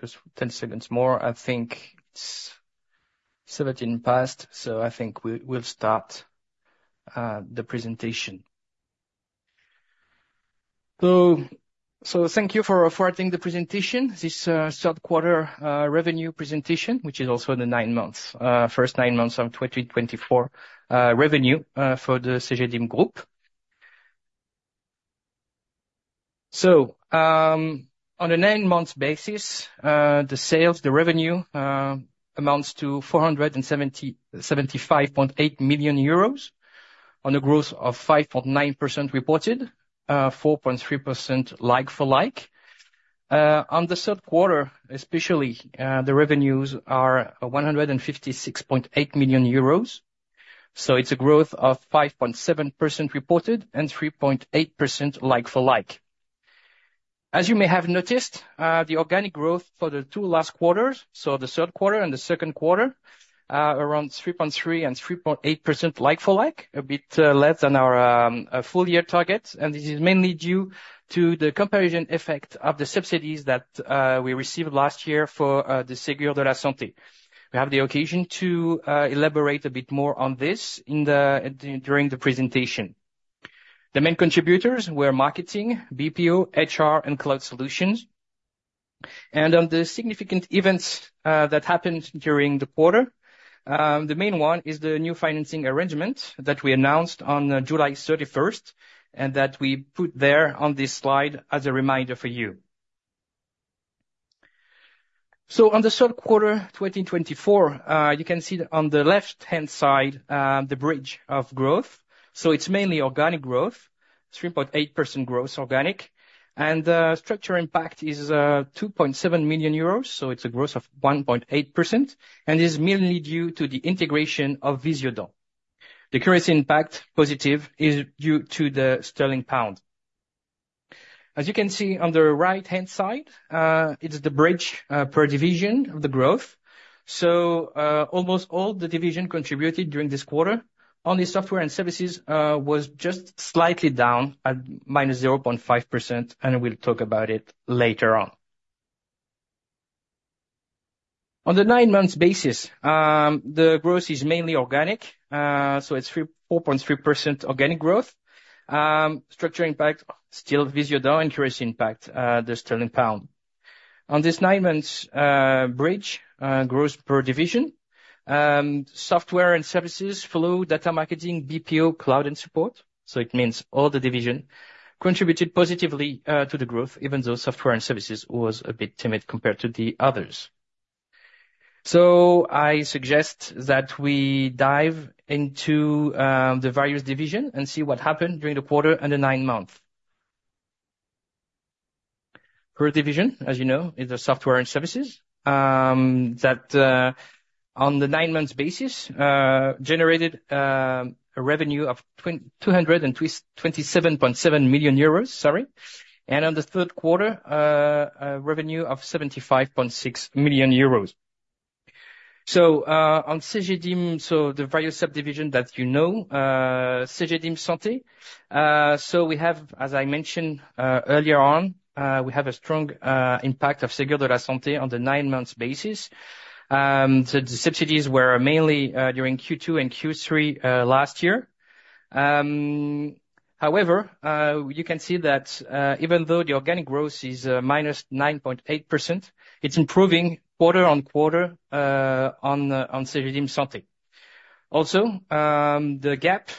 Just ten seconds more. I think it's seventeen past, so I think we'll start the presentation. So thank you for affording the presentation. This Third Quarter Revenue Presentation, which is also the nine months, first nine months of 2024 revenue for the Cegedim Group. So on a nine-month basis, the sales, the revenue amounts to 475.8 million euros, on a growth of 5.9% reported, 4.3% like-for-like. On the third quarter, especially, the revenues are 156.8 million euros, so it's a growth of 5.7% reported and 3.8% like-for-like. As you may have noticed, the organic growth for the two last quarters, so the third quarter and the second quarter, around 3.3% and 3.8% like-for-like, a bit less than our full-year target. And this is mainly due to the comparison effect of the subsidies that we received last year for the Ségur de la Santé. We have the occasion to elaborate a bit more on this during the presentation. The main contributors were marketing, BPO, HR, and cloud solutions. And on the significant events that happened during the quarter, the main one is the new financing arrangement that we announced on July 31st, and that we put there on this slide as a reminder for you. On the third quarter, 2024, you can see on the left-hand side, the bridge of growth. It's mainly organic growth, 3.8% growth, organic, and, structure impact is 2.7 million euros, so it's a growth of 1.8%, and is mainly due to the integration of Visiodent. The currency impact, positive, is due to the sterling pound. As you can see on the right-hand side, it is the bridge, per division of the growth. Almost all the division contributed during this quarter. On the Software and Services, was just slightly down at -0.5%, and we'll talk about it later on. On the nine months basis, the growth is mainly organic, so it's 4.3% organic growth. Structure impact, still Visiodent increase impact, the sterling pound. On this nine months bridge, growth per division, Software and Services, Flow, Data Marketing, BPO, Cloud and Support. So it means all the division contributed positively to the growth, even though Software and Services was a bit timid compared to the others. I suggest that we dive into the various division and see what happened during the quarter and the nine months. Per division, as you know, is the Software and Services, that, on the nine months basis, generated a revenue of 227.7 million euros, sorry. And on the third quarter, a revenue of 75.6 million euros. So, on Cegedim, so the various subdivision that you know, Cegedim Santé. So we have, as I mentioned, earlier on, we have a strong impact of Ségur de la Santé on the nine months basis. The subsidies were mainly during Q2 and Q3 last year. However, you can see that even though the organic growth is -9.8%, it's improving quarter-on-quarter on Cegedim Santé. Also, the gap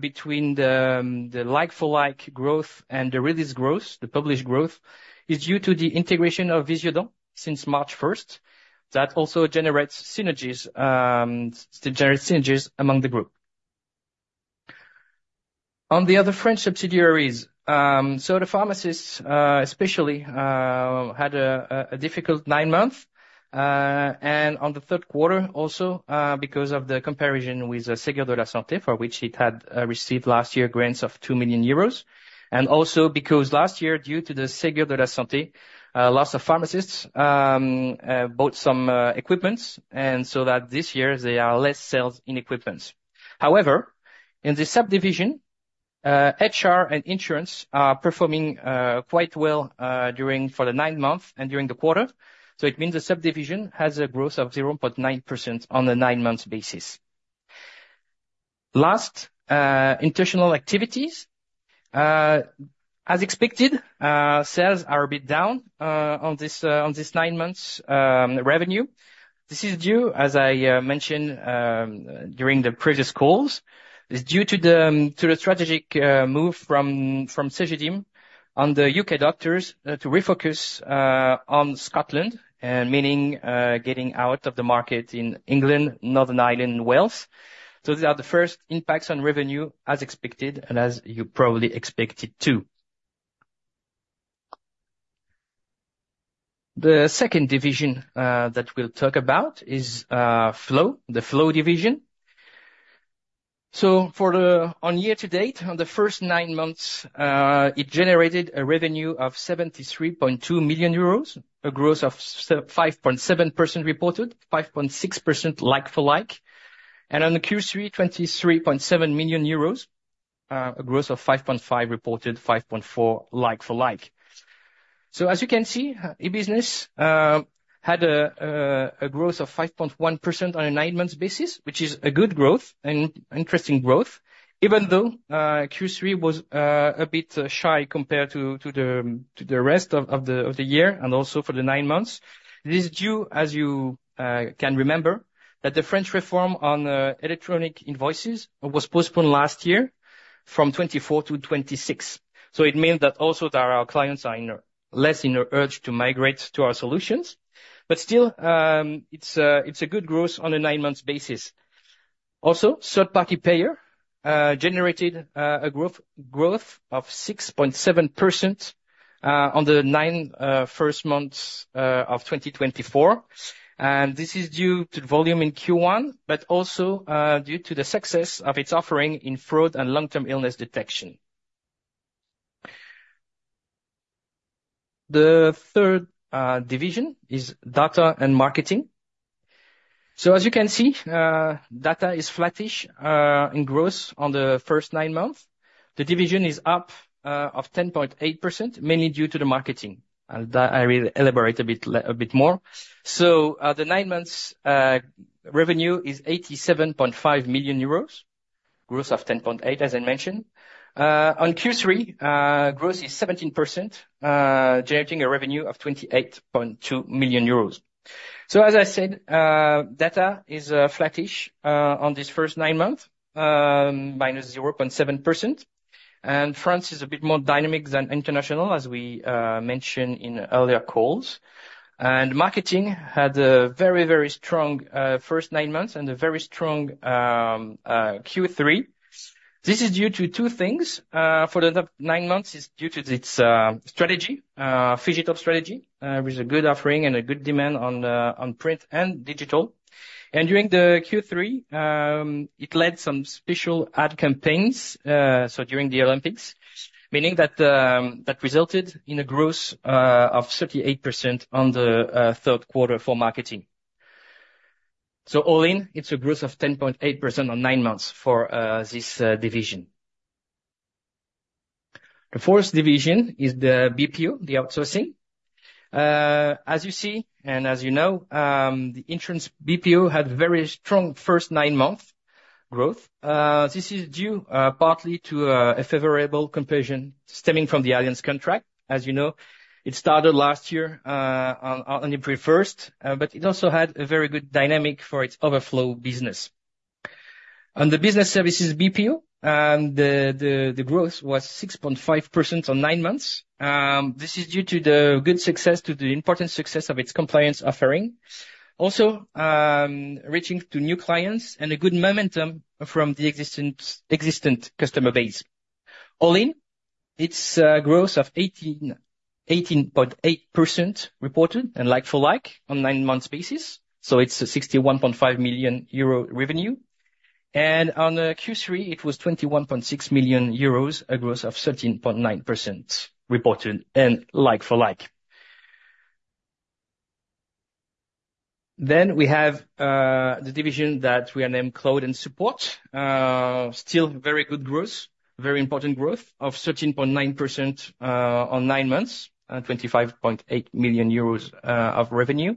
between the like-for-like growth and the released growth, the published growth, is due to the integration of Visiodent since March 1st. That also generates synergies among the group. On the other French subsidiaries, so the pharmacists especially had a difficult nine months. On the third quarter also, because of the comparison with Ségur de la Santé, for which it had received last year grants of 2 million euros, and also because last year, due to the Ségur de la Santé, lots of pharmacists bought some equipment, and so that this year, there are less sales in equipment. However, in the subdivision, HR and insurance are performing quite well during for the nine months and during the quarter. So it means the subdivision has a growth of 0.9% on the nine months basis. Last, international activities. As expected, sales are a bit down on this, on this nine months revenue. This is due, as I mentioned, during the previous calls. It's due to the strategic move from Cegedim on the U.K. doctors to refocus on Scotland, meaning getting out of the market in England, Northern Ireland, and Wales, so these are the first impacts on revenue, as expected, and as you probably expected, too. The second division that we'll talk about is Flow, the Flow division. So, on year to date, on the first nine months, it generated a revenue of 73.2 million euros, a growth of 5.7% reported, 5.6% like-for-like, and on the Q3, 23.7 million euros, a growth of 5.5%, reported 5.4% like-for-like. So as you can see, e-business had a growth of 5.1% on a nine-month basis, which is a good growth and interesting growth, even though Q3 was a bit shy compared to the rest of the year, and also for the nine months. This is due, as you can remember, that the French reform on electronic invoices was postponed last year from 2024 to 2026. So it means that also that our clients are less of an urge to migrate to our solutions. But still, it's a good growth on a nine-month basis. Also, third-party payer generated a growth of 6.7% on the nine first months of 2024. This is due to volume in Q1, but also due to the success of its offering in fraud and long-term illness detection. The third division is Data and Marketing. As you can see, data is flattish in growth on the first nine months. The division is up of 10.8%, mainly due to the marketing. That, I will elaborate a bit more. The nine months revenue is 87.5 million euros, growth of 10.8%, as I mentioned. On Q3, growth is 17%, generating a revenue of 28.2 million euros. As I said, data is flattish on this first nine months, -0.7%. France is a bit more dynamic than international, as we mentioned in earlier calls. Marketing had a very, very strong first nine months and a very strong Q3. This is due to two things. For the nine months, it's due to its strategy, phygital strategy, with a good offering and a good demand on print and digital. During the Q3, it led some special ad campaigns, so during the Olympics, meaning that that resulted in a growth of 38% on the third quarter for marketing. All in, it's a growth of 10.8% on nine months for this division. The fourth division is the BPO, the outsourcing. As you see, and as you know, the insurance BPO had very strong first nine-month growth. This is due partly to a favorable comparison stemming from the Allianz contract. As you know, it started last year on April 1st, but it also had a very good dynamic for its overflow business. On the business services BPO, the growth was 6.5% on 9 months. This is due to the good success, to the important success of its compliance offering. Also, reaching to new clients and a good momentum from the existent customer base. All in, it's a growth of 18.8% reported and like-for-like on 9 months basis, so it's 61.5 million euro revenue, and on Q3, it was 21.6 million euros, a growth of 13.9% reported and like-for-like. Then we have the division that we are named Cloud and Support. Still very good growth, very important growth of 13.9%, on nine months and 25.8 million euros of revenue.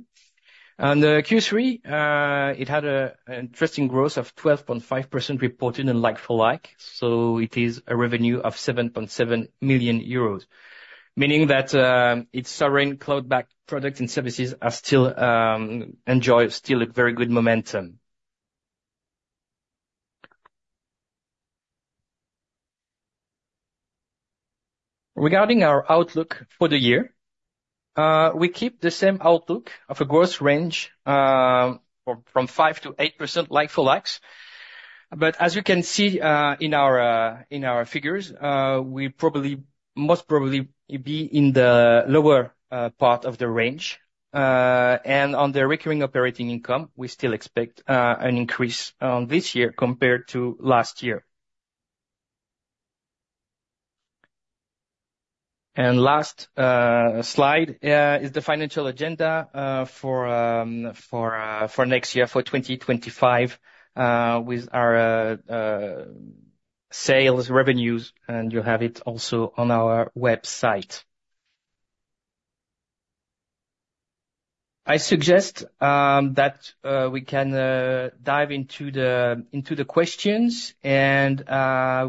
On the Q3, it had an interesting growth of 12.5% reported and like-for-like, so it is a revenue of 7.7 million euros, meaning that its sovereign cloud-backed products and services are still enjoy still a very good momentum. Regarding our outlook for the year, we keep the same outlook of a growth range from 5%-8% like-for-like. But as you can see in our figures, we probably most probably be in the lower part of the range. And on the recurring operating income, we still expect an increase on this year compared to last year. And last slide is the financial agenda for next year, for 2025, with our sales revenues, and you have it also on our website. I suggest that we can dive into the questions, and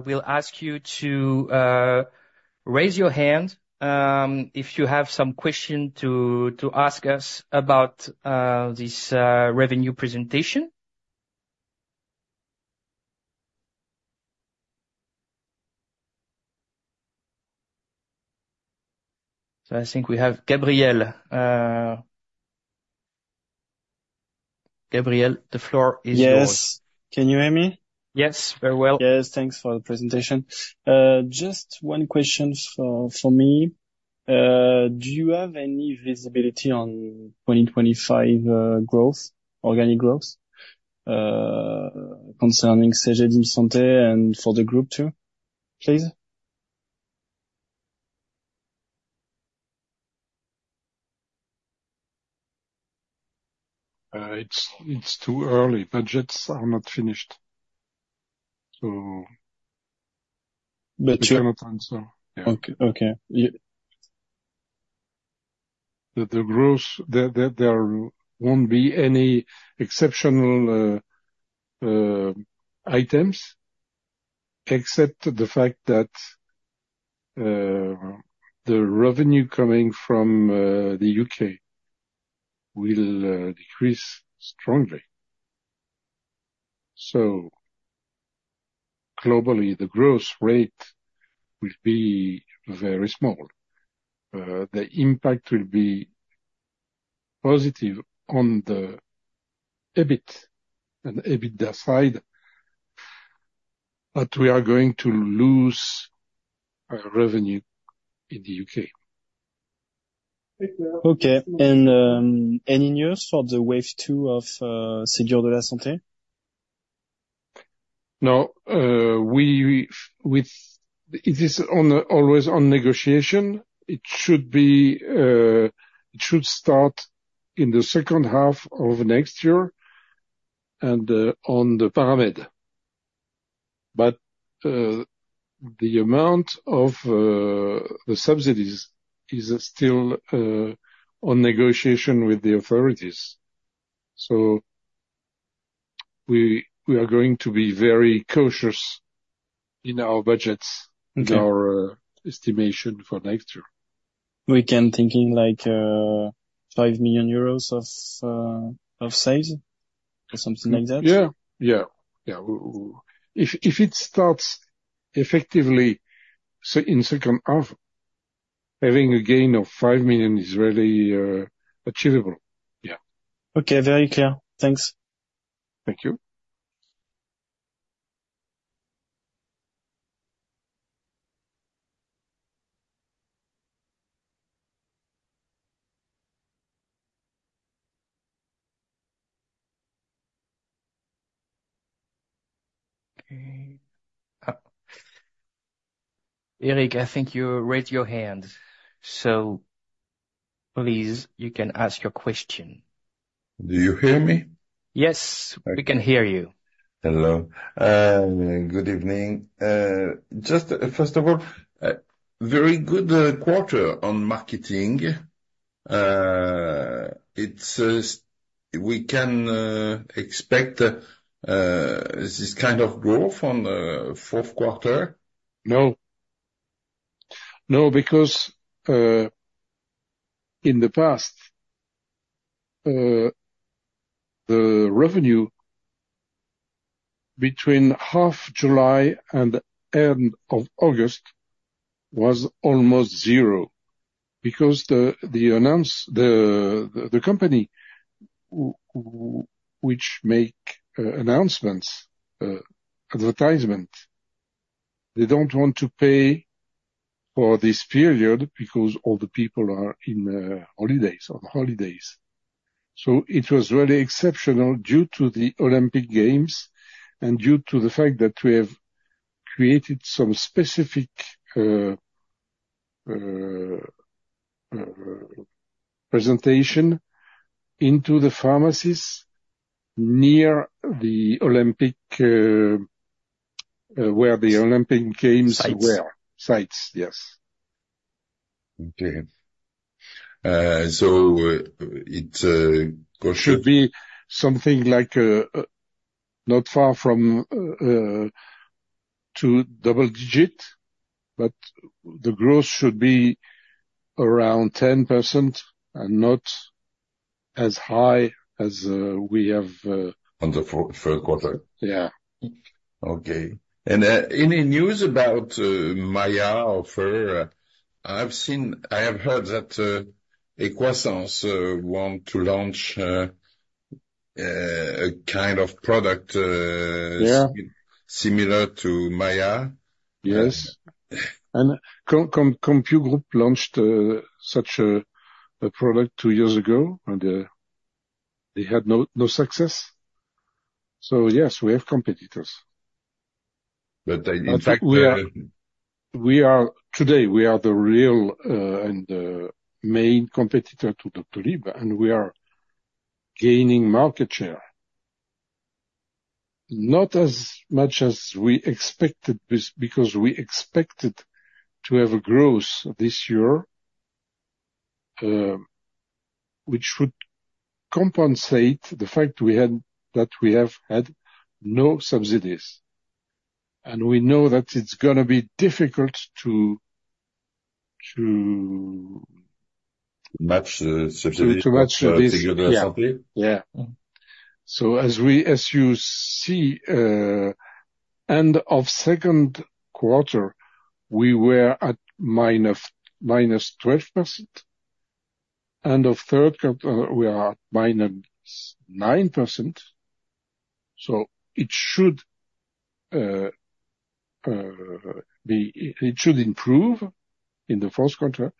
we'll ask you to raise your hand if you have some question to ask us about this revenue presentation. So I think we have Gabriel. Gabriel, the floor is yours. Yes. Can you hear me? Yes, very well. Yes, thanks for the presentation. Just one question for me. Do you have any visibility on 2025 growth, organic growth, concerning Cegedim and for the group, too, please? It's too early. Budgets are not finished, so- But you- I cannot answer. Yeah. Okay, okay. The growth there won't be any exceptional items, except the fact that the revenue coming from the U.K. will decrease strongly. So globally, the growth rate will be very small. The impact will be positive on the EBIT and EBITDA side, but we are going to lose our revenue in the U.K. Okay. And any news for the wave two of Ségur de la Santé? No. We with, It is always on negotiation. It should start in the second half of next year and on the Paramed. But the amount of the subsidies is still on negotiation with the authorities. So we are going to be very cautious in our budgets and our estimation for next year. We're thinking like 5 million euros of sales or something like that? Yeah. If it starts effectively in second half, having a gain of 5 million is really achievable. Yeah. Okay. Very clear. Thanks. Thank you. Okay. Eric, I think you raised your hand, so please, you can ask your question. Do you hear me? Yes, we can hear you. Hello and good evening. Just, first of all, very good quarter on marketing. It's, we can expect this kind of growth on the fourth quarter? No. No, because in the past the revenue between half July and end of August was almost zero because the announcements the company which make announcements advertisement they don't want to pay for this period because all the people are in holidays on holidays. So it was really exceptional due to the Olympic Games and due to the fact that we have created some specific presentation into the pharmacies near the Olympic where the Olympic Games sites. Sites, yes. Okay. So, it got- Should be something like, not far from, to double-digit, but the growth should be around 10% and not as high as we have- On the fourth quarter? Yeah. Okay. And, any news about, Maiia offer? I've seen... I have heard that, Equasens, want to launch, a kind of product Yeah similar to Maiia. Yes. And- CompuGroup launched such a product two years ago, and they had no success. So yes, we have competitors. But they, in fact, Today we are the real and main competitor to Doctolib, and we are gaining market share. Not as much as we expected, because we expected to have a growth this year, which would compensate the fact that we have had no subsidies. And we know that it's gonna be difficult to Match the subsidies- to match subsidies. Ségur de la Santé? Yeah, yeah, so as we, as you see, end of second quarter, we were at -12%. End of third quarter, we are -9%, so it should be. It should improve in the fourth quarter,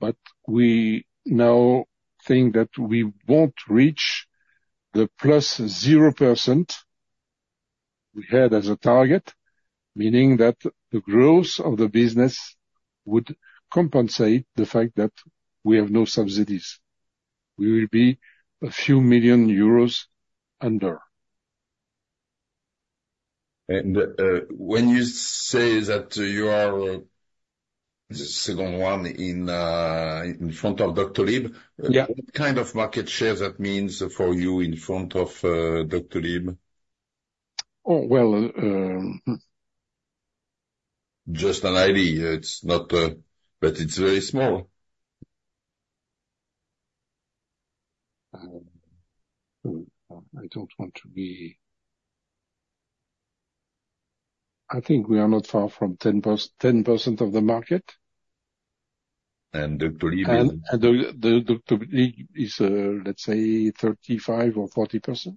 but we now think that we won't reach the +0% we had as a target, meaning that the growth of the business would compensate the fact that we have no subsidies. We will be a few million euros under. When you say that you are the second one in front of Doctolib, what kind of market share that means for you in front of Doctolib? Oh, well, Just an idea. It's not... but it's very small. I don't want to be, I think we are not far from 10% of the market. And Doctolib? Doctolib is, let's say, 35% or 40%.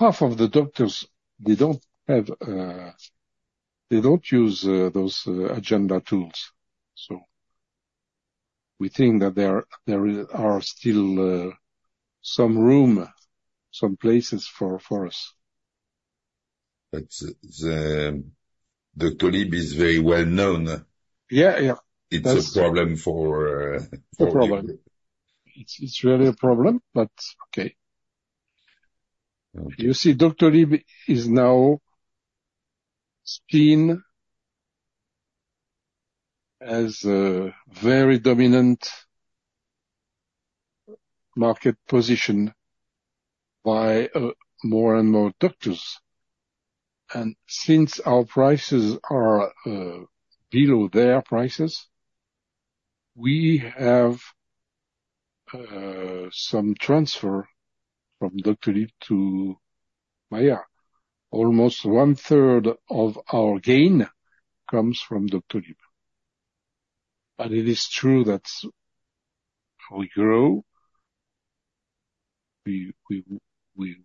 Half of the doctors, they don't have, they don't use those agenda tools, so we think that there are still some room, some places for us. But the Doctolib is very well known. Yeah, yeah. It's a problem for you. A problem. It's, it's really a problem, but okay. Okay. You see, Doctolib is now seen as a very dominant market position by more and more doctors. Since our prices are below their prices, we have some transfer from Doctolib to Maiia. Almost one-third of our gain comes from Doctolib. It is true that we grow. We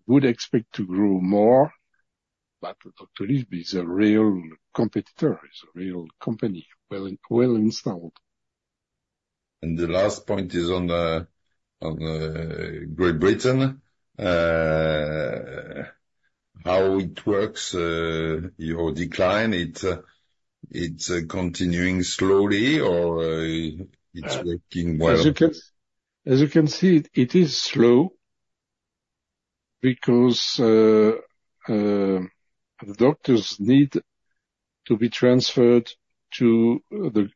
would expect to grow more, but Doctolib is a real competitor, is a real company, well installed. And the last point is on Great Britain. How it works, your decline, it's continuing slowly or it's working well? As you can see, it is slow because the doctors need to be transferred to the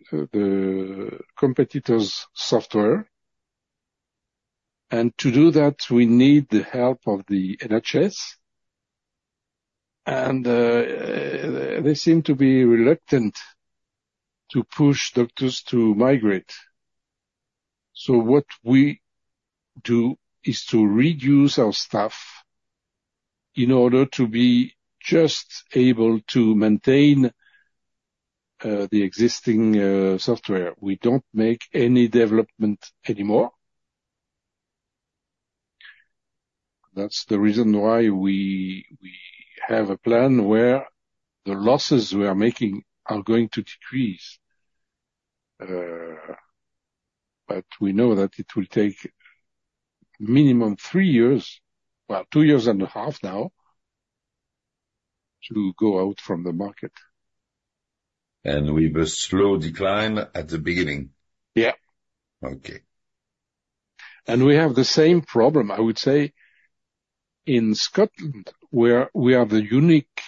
competitor's software, and to do that, we need the help of the NHS, and they seem to be reluctant to push doctors to migrate, so what we do is to reduce our staff in order to be just able to maintain the existing software. We don't make any development anymore. That's the reason why we have a plan where the losses we are making are going to decrease, but we know that it will take minimum three years, well, 2.5 years now, to go out from the market. With a slow decline at the beginning? Yeah. Okay. We have the same problem, I would say, in Scotland, where we are the unique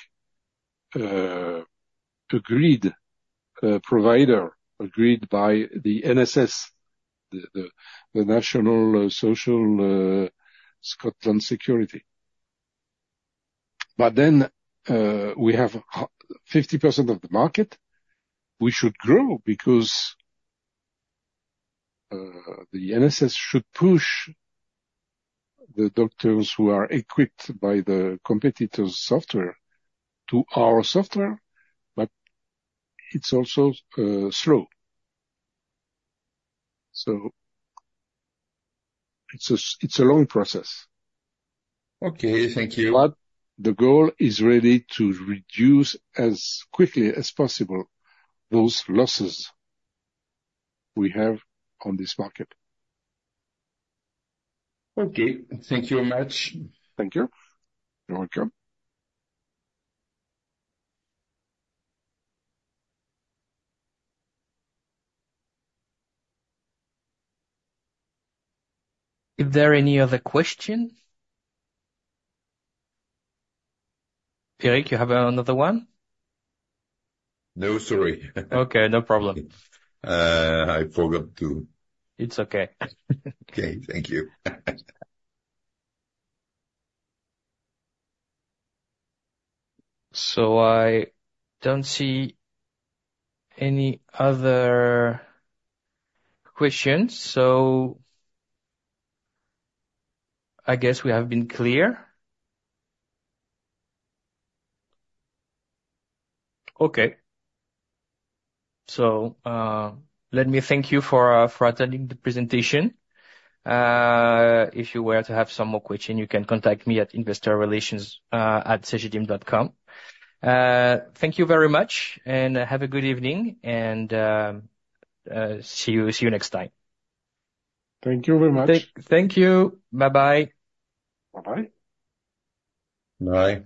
agreed provider, agreed by the NSS, the National Services Scotland. But then, we have 50% of the market. We should grow because the NSS should push the doctors who are equipped by the competitor's software to our software, but it's also slow, so it's a long process. Okay, thank you. But the goal is really to reduce, as quickly as possible, those losses we have on this market. Okay. Thank you very much. Thank you. You're welcome. Is there any other question? Eric, you have another one? No, sorry. Okay, no problem. I forgot to. It's okay. Okay. Thank you. So I don't see any other questions, so I guess we have been clear. Okay. So, let me thank you for attending the presentation. If you were to have some more question, you can contact me at investorrelations@cegedim.com. Thank you very much, and have a good evening, and see you, see you next time. Thank you very much. Thank you. Bye bye. Bye-bye. Bye.